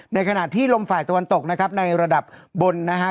ในขณะที่ลมฝ่ายตะวันตกนะครับในระดับบนนะฮะ